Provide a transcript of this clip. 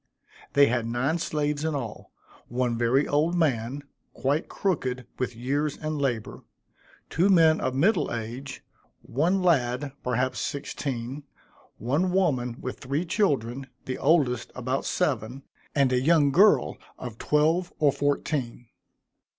They had nine slaves in all, one very old man, quite crooked with years and labor two men of middle age one lad, perhaps sixteen one woman with three children, the oldest about seven, and a young girl of twelve or fourteen.